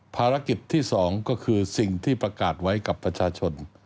ภารกิจที่๒ก็คือสิ่งที่ประกาศไว้กับประชาชน